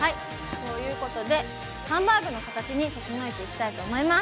ハンバーグの形に整えていきたいと思います。